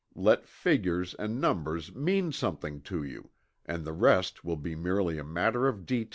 Let figures and numbers "mean something" to you, and the rest will be merely a matter of detail.